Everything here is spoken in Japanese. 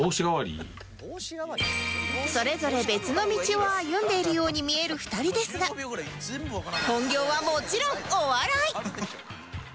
それぞれ別の道を歩んでいるように見える２人ですが本業はもちろんお笑い！